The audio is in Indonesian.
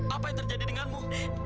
apa yang terjadi denganmu